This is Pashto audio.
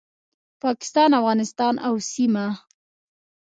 پاکستان، افغانستان او سیمه